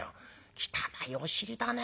汚いお尻だね。